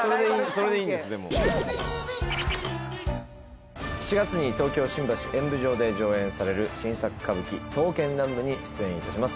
それでいいんですでも７月に東京・新橋演舞場で上演される新作歌舞伎「刀剣乱舞」に出演いたします